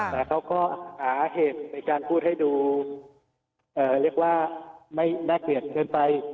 แต่เขาก็หาเหตุในการพูดให้ดูเรียกว่าไม่น่าเกลียดเกินไป